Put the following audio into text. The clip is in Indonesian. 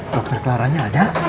dokter kelaranya ada